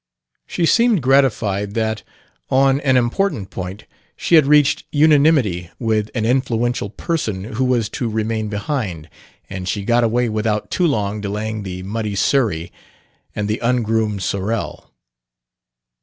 She seemed gratified that, on an important point, she had reached unanimity with an influential person who was to remain behind; and she got away without too long delaying the muddy surrey and the ungroomed sorrel.